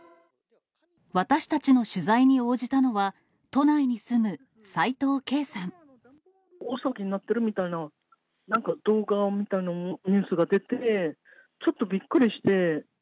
私たちの取材に応じたのは、大騒ぎになっているみたいな、なんか動画を見たのを、ニュースが出て、ちょっとびっくりして。